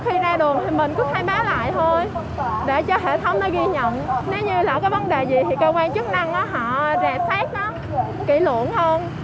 shipper dịch bệnh